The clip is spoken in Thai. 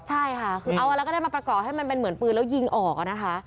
ใช่ค่ะคือเอาอะไรก็ได้มาประกอบให้มันเป็นเหมือนปืนแล้วยิงออกนะคะ